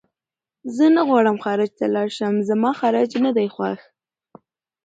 زه نه غواړم خارج ته لاړ شم زما خارج نه دی خوښ